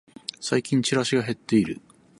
最近チラシが減ってる